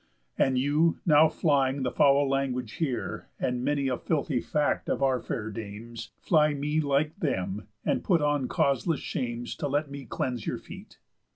And you, now flying the foul language here, And many a filthy fact of our fair dames, Fly me like them, and put on causeless shames To let me cleanse your feet.